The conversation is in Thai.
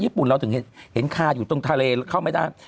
ญุ่นเราถึงเห็นคาอยู่ตรงทะเลเข้าไม่ได้